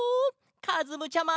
かずむちゃま！